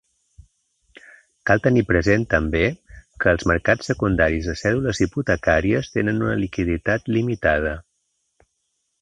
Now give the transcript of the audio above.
Cal tenir present, també, que els mercats secundaris de cèdules hipotecàries tenen una liquiditat limitada.